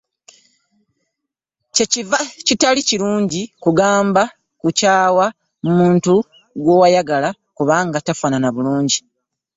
Kye kiva kitali kirungi kugamba kukyawa muntu gw'ayagala kubanga tafanaana bulungi .